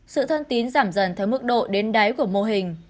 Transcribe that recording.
sự thân tín giảm dần theo mức độ đến đáy của mô hình